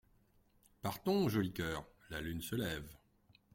Partons, joli coeur, la lune se lève.